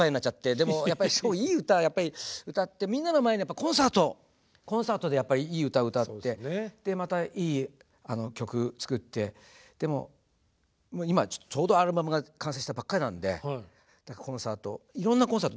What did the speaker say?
でもやっぱりそういい歌はやっぱり歌ってみんなの前でやっぱりコンサートコンサートでやっぱりいい歌を歌ってまたいい曲作ってでも今ちょうどアルバムが完成したばっかりなんでコンサートいろんなコンサート